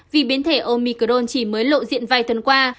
vì biến thể omicron chỉ mới lộ diện vài tuần qua